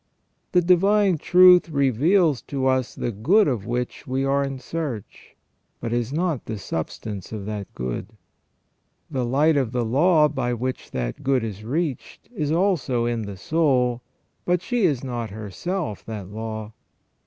The divine truth reveals to us the good of which we are in search, but is not the substance of that good. The light of the law by which that good is reached is also in the soul, but she is not herself that law.